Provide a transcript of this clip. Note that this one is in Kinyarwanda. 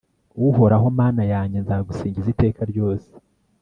uhoraho mana yanjye, nzagusingiza iteka ryose